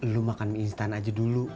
lu makan mie instan aja dulu